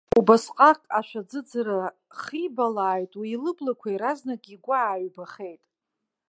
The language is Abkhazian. Убасҟак ашәаӡыӡара хибалааит уи лыблақәа, иаразнак игәы ааҩбахеит.